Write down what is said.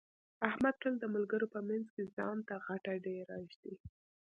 احمد تل د ملګرو په منځ کې ځان ته غټه ډېره ږدي.